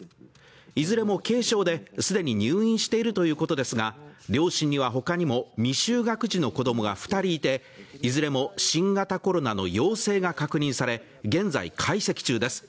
いずれも軽症で、既に入院しているということですが、両親には他にも未就学児の子供が２人いていずれも新型コロナの陽性が確認され、現在解析中です。